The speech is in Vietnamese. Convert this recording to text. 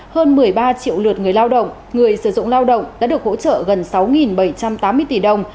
hơn một mươi ba triệu lượt người lao động người sử dụng lao động đã được hỗ trợ gần sáu bảy trăm tám mươi tỷ đồng